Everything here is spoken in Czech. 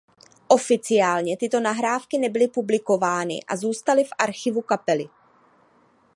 Oficiálně tyto nahrávky nebyly publikovány a zůstaly v archivu kapely.